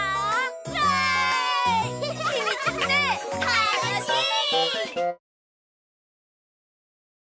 たのしい！